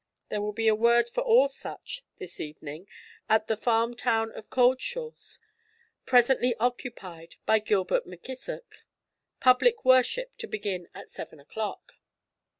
There will be a word for all such this evening at the farmtown of Cauldshaws, presently occupied by Gilbert M'Kissock public worship to begin at seven o'clock.'